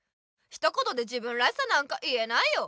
ひと言で自分らしさなんか言えないよ。